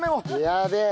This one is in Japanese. やべえ。